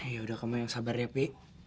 yaudah kamu yang sabar ya pi